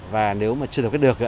và nếu mà chưa được